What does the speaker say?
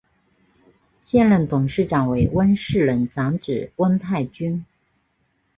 现任董事长为温世仁长子温泰钧。